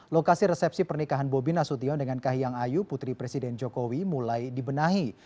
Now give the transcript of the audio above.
lokasi resepsi pernikahan bobi nasution dengan kahiyang ayu putri presiden jokowi mulai dibenahi